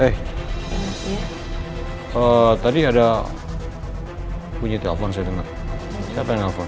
eh tadi ada bunyi telepon saya dengar siapa yang nelfon